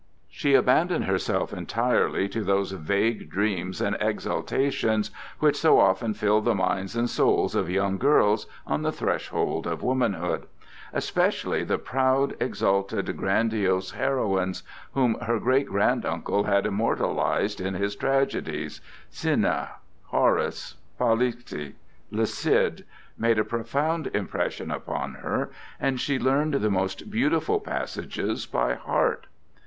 She abandoned herself entirely to those vague dreams and exaltations which so often fill the minds and souls of young girls on the threshold of womanhood. Especially the proud, exalted, grandiose heroines, whom her great granduncle had immortalized in his tragedies, Cinna, Horace, Polyeucte, Le Cid, made a profound impression upon her, and she learned the most beautiful passages by heart.